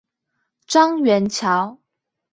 樟原橋